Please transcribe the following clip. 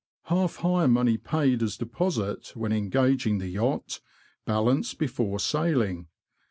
Half hire money paid as deposit, when engaging the Yacht ; balance before sailing.